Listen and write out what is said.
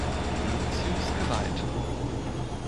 Luzius geweiht.